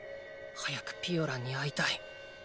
早くピオランに会いたい。